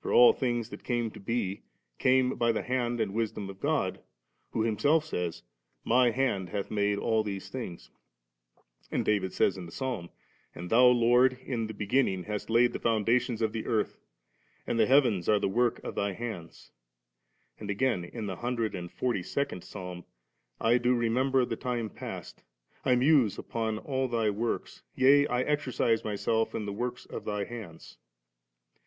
for all things that came to be, came by the Hand and Wisdom of God, who Himself says, ' My hand hath made all these things';' and David says in the Psalm, 'And Thou, Lord, in the beginning hast laid the foundations of the earth, and the heavens are the work of Thy hands";' and again, in the hundred and forty second Psalm, ' I do remember the time past, I muse upon all Thy works, yea I exercise myself in the works of Thy hands^.